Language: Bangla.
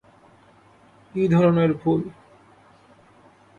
কী ধরণের ভুল?